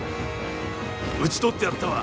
討ち取ってやったわ。